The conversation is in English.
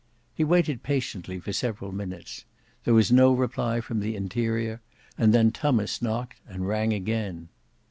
He waited patiently for several minutes; there was no reply from the interior, and then Tummas knocked and rang again.